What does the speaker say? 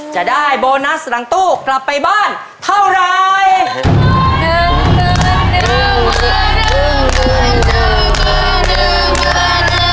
จะได้โบนัสหลังตู้กลับไปบ้านเท่าไร